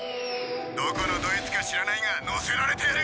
どこのどいつか知らないが乗せられてやる。